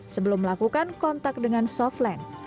sebelum melakukan kontak dengan softlens